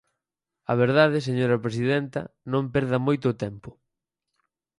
A verdade, señora presidenta, non perda moito o tempo.